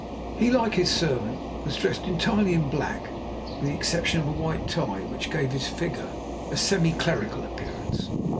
He, like his servant, was dressed entirely in black, with the exception of a white tie, which gave his figure a semi clerical appearance.